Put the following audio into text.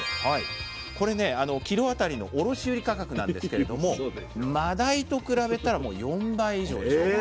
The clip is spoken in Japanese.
これねキロ当たりの卸売価格なんですけれどもまだいと比べたら４倍以上でしょ。